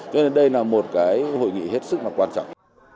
cho nên đây là một hội nghị hết sức quan trọng